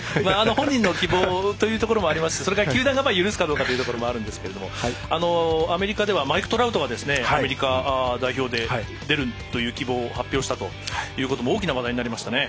本人の希望というところもありますし球団が許すかというのもあるんですがアメリカではマイク・トラウトがアメリカ代表で出るという希望を発表したということも大きな話題になりましたね。